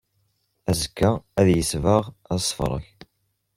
Azekka ad yesbeɣ asefreg.